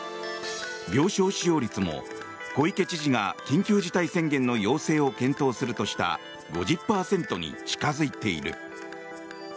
病床使用率も小池知事が緊急事態宣言の要請を検討するとした５０％に近付いている。